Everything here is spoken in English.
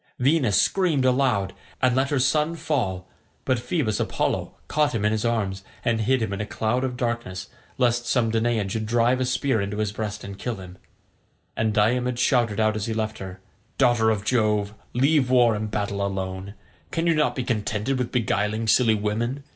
Venus screamed aloud, and let her son fall, but Phoebus Apollo caught him in his arms, and hid him in a cloud of darkness, lest some Danaan should drive a spear into his breast and kill him; and Diomed shouted out as he left her, "Daughter of Jove, leave war and battle alone, can you not be contented with beguiling silly women?